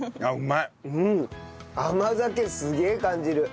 甘酒すげえ感じる。